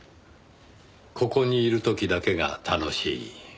ここにいる時だけが楽しい。